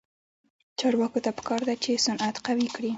چارواکو ته پکار ده چې، صنعت قوي کړي.